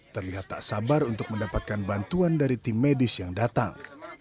terlihat tak sabar untuk mendapatkan bantuan dari tim medis yang datang